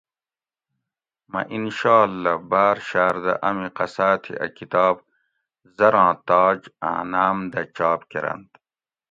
"مۤہ انشاء اللّہ باۤر شاۤردہ امی قصاۤ تھی ا کتاب ""زراں تاج"" آۤں ناۤم دہ چاپ کۤرنت"